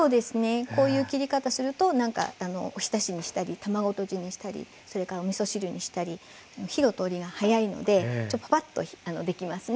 こういう切り方するとおひたしにしたり卵とじにしたりそれからおみそ汁にしたり火の通りがはやいのでパパッとできますね。